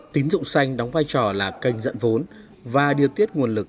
tín dụng xanh đóng vai trò là kênh dẫn vốn và điều tiết nguồn lực